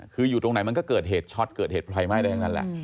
คืออยู่ตรงไหนมันก็เกิดเหตุช็อตเกิดเหตุไฟไหม้ได้ทั้งนั้นแหละ